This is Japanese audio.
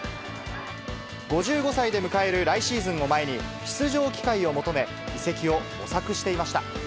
５５歳で迎える来シーズンを前に、出場機会を求め、移籍を模索していました。